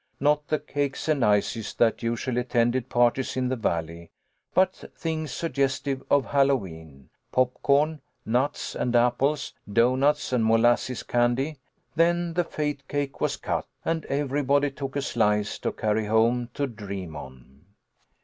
Not the cakes and ices that usually attended parties in the Valley, but things suggestive of Hallowe'en. Pop corn, nuts, and apples, doughnuts and molasses candy. Then the fate cake was cut, and everybody took a slice to carry home to dream on.